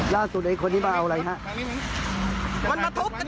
ล่ะสุดไอ้คนนี่มาเอาอะไรครับ